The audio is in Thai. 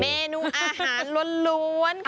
เมนูอาหารล้วนค่ะ